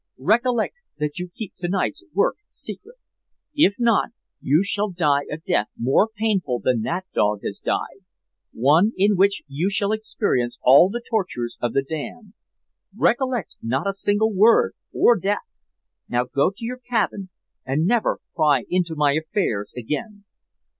Recollect that you keep to night's work secret. If not, you shall die a death more painful than that dog has died one in which you shall experience all the tortures of the damned. Recollect, not a single word or death! Now, go to your cabin, and never pry into my affairs again.'